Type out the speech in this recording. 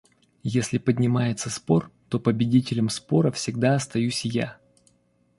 Если поднимается спор, то победителем спора всегда остаюсь я.